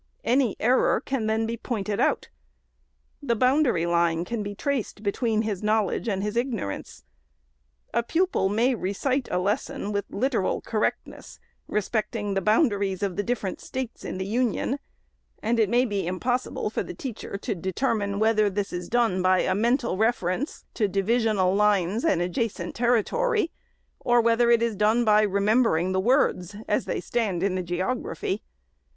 Any error can then be pointed out. The boundary line can be traced between his knowledge and his ignorance. A pupil may recite a lesson with SECOND ANNUAL REPORT. 553 literal correctness, respecting the boundaries of the differ ent States in the Union ; and it may be impossible for the teacher to determine whether this is done by a mental reference to divisional lines and adjacent territory, or whether it is done by remembering the words as they stand in the geography.